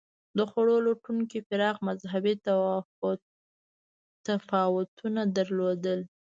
د خوړو لټونکو پراخ مذهبي تفاوتونه درلودل.